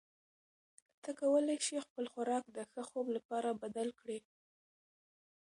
ته کولی شې خپل خوراک د ښه خوب لپاره بدل کړې.